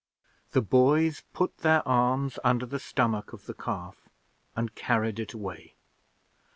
The boys put their arms under the stomach of the calf, and carried it away.